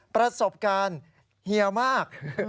ประสบการณ์เฮียมาก